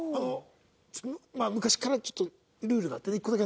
まあ昔からちょっとルールがあってね１個だけ。